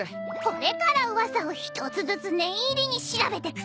これから噂を一つずつ念入りに調べてくさ。